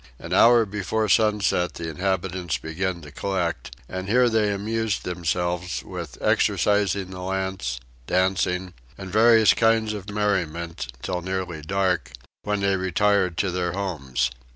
An hour before sunset the inhabitants began to collect, and here they amused themselves with exercising the lance, dancing, and various kinds of merriment, till nearly dark, when they retired to their homes.